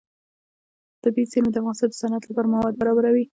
طبیعي زیرمې د افغانستان د صنعت لپاره مواد برابروي.